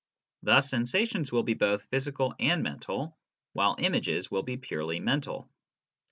Thus sensations will be both physical and mental, while images will be purely mental.